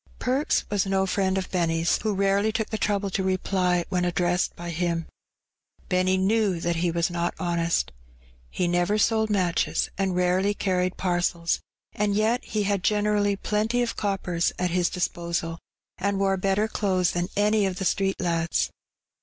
Perks was no friend of Benny's, who rarely took the trouble to reply when addressed by him. Benny knew that he was not honest. He never sold matches, and rarely carried parcels, and yet he had generally plenty of coppers at his disposal, and wore better clothes than any of the street lads.